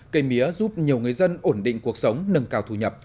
cây mía giúp nhiều người dân ổn định cuộc sống nâng cao thu nhập